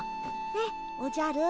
ねっおじゃる。